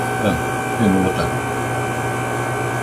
Ben, imos votar.